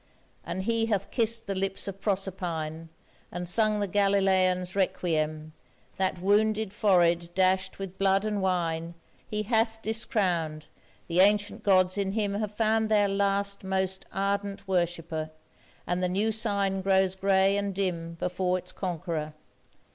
And he hath kissed the lips of Proserpine, And sung the Galilæan's requiem, That wounded forehead dashed with blood and wine He hath discrowned, the Ancient Gods in him Have found their last, most ardent worshipper, And the new Sign grows grey and dim before its conqueror.